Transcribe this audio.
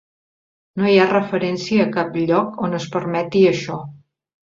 No hi ha referència a cap lloc on es permeti això.